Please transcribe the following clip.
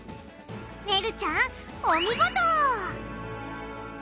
ねるちゃんお見事！